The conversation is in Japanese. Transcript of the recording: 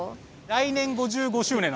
来年５５周年？